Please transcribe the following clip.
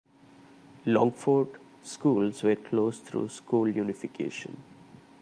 Longford schools were closed through school unification.